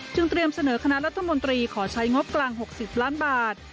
เตรียมเสนอคณะรัฐมนตรีขอใช้งบกลาง๖๐ล้านบาท